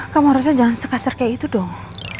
kamu harusnya jangan sekasar kayak itu dong